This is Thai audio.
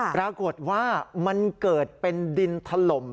ปรากฏว่ามันเกิดเป็นดินถล่ม